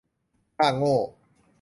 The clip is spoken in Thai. ค่าโง่